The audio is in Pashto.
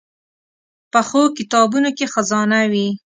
پخو کتابونو کې خزانه وي